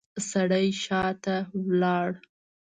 سړی شاته لاړ.